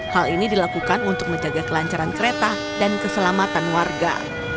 hal ini dilakukan untuk menjaga kelancaran kereta dan keselamatan warga